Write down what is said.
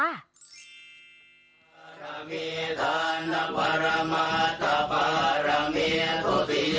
โห